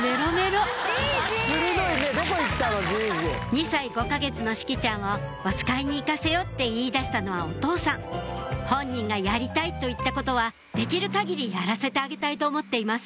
２歳５か月の志葵ちゃんをおつかいに行かせようって言い出したのはお父さん本人が「やりたい」と言ったことはできる限りやらせてあげたいと思っています